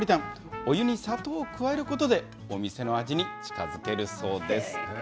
お湯に砂糖を加えることで、お店の味に近づけるそうです。